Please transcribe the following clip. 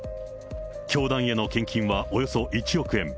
教団への献金はおよそ１億円。